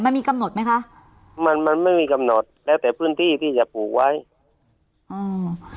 มันมีกำหนดไหมคะมันมันไม่มีกำหนดแล้วแต่พื้นที่ที่จะปลูกไว้อืม